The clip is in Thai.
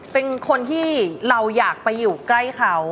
เป็นคนที่เราอยากไปอยู่ใกล้เขา